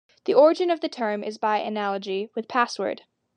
The origin of the term is by analogy with "password".